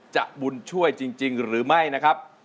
บุญช่วยจริงหรือไม่นะครับ